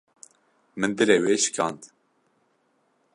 Min dilê wê şikand